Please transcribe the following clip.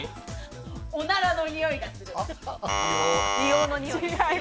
おならのにおいがする。